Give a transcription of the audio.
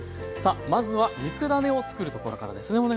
さあまずは肉ダネを作るところからですね。